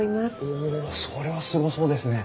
おそれはすごそうですね。